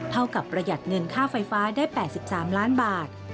เท่ากับประหยัดเงินค่าไฟฟ้าได้๘๓ล้านบาท